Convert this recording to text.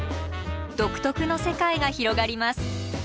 独特の世界が広がります。